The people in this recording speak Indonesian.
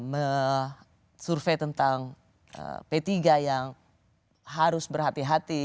mensurvey tentang p tiga yang harus berhati hati